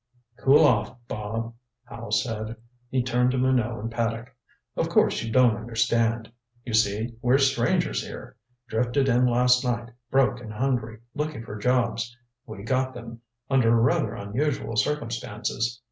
"Cool off, Bob," Howe said. He turned to Minot and Paddock. "Of course you don't understand. You see, we're strangers here. Drifted in last night broke and hungry, looking for jobs. We got them under rather unusual circumstances.